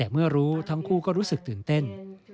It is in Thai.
เมื่อรู้ทั้งคู่ก็รู้สึกตื่นเต้น